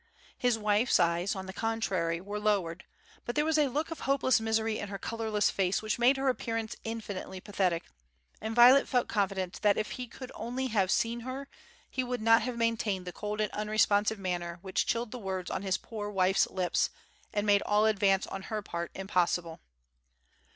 His wife's eyes, on the contrary, were lowered, but there was a look of hopeless misery in her colourless face which made her appearance infinitely pathetic, and Violet felt confident that if he could only have seen her, he would not have maintained the cold and unresponsive manner which chilled the words on his poor wife's lips and made all advance on her part impossible.